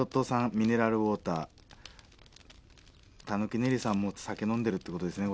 ミネラルウォーターたぬき寝入りさんも酒飲んでるってことですね